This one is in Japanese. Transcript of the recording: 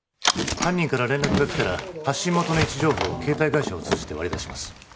犯人から連絡がきたら発信元の位置情報を携帯会社を通じて割り出します